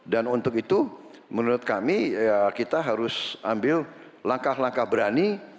dan untuk itu menurut kami kita harus ambil langkah langkah berani